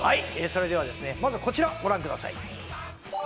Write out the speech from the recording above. それでは、まずこちらをご覧ください。